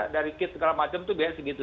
dari kit segala macam itu biasanya segitu